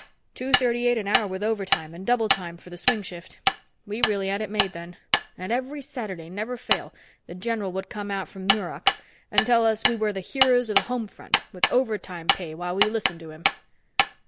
" two thirty eight an hour with overtime and double time for the swing shift. We really had it made then! And every Saturday, never fail, the general would come out from Muroc and tell us we were the heros of the home front with overtime pay while we listened to him!"